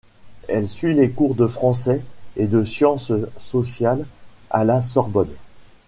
Elle suit les cours de français et de sciences sociales à la Sorbonne.